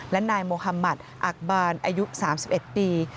และนายมหัมมัธอักบาลอายุ๓๑ปี